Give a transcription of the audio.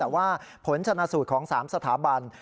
แต่ว่าผลชนะสูตรของ๓สถาบัน